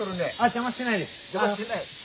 邪魔してない？